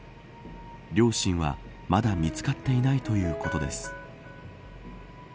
両親はまだ見つかっていないということです。